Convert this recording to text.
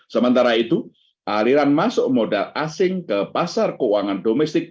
sementara itu aliran masuk modal asing ke pasar keuangan domestik